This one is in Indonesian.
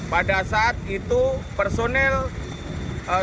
pada saat itu personil